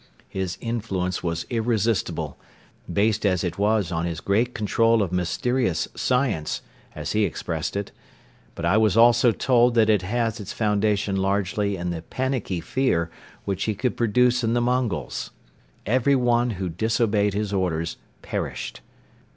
His influence was irresistible, based as it was on his great control of mysterious science, as he expressed it; but I was also told that it has its foundation largely in the panicky fear which he could produce in the Mongols. Everyone who disobeyed his orders perished.